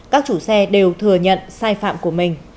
các chủ xe đều thừa nhận sai phạm của mình